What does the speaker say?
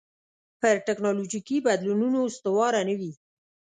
پر ټکنالوژیکي بدلونونو استواره نه وي.